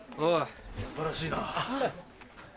素晴らしいな。